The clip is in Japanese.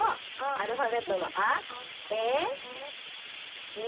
アルファベットのあ・え・み。